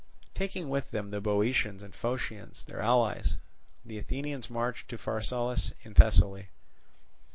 Taking with them the Boeotians and Phocians their allies, the Athenians marched to Pharsalus in Thessaly.